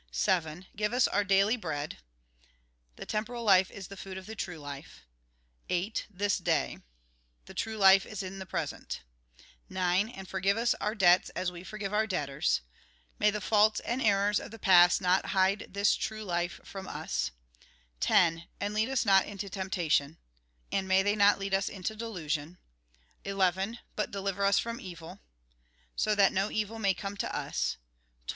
7. Give us our daily bread The temporal life is the food of the true life. 8. This day. The true life is in the present. 9. And forgive us our debts as May the faults and errors of the we forgive our debtors, past not hide this true life from us, 10. And lead us not into tempta And may they not lead us into tion, delusion, 11. But deliver us from evil, So that no evil may come to us, 12.